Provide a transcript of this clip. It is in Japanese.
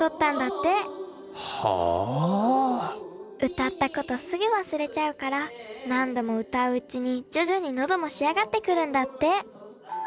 歌ったことすぐ忘れちゃうから何度も歌ううちに徐々に喉も仕上がってくるんだって。